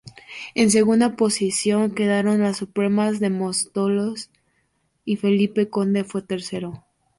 En segunda posición quedaron Las Supremas de Móstoles y Felipe Conde fue tercero.